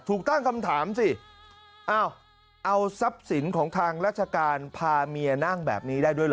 ถูกตั้งคำถามสิอ้าวเอาทรัพย์สินของทางราชการพาเมียนั่งแบบนี้ได้ด้วยเหรอ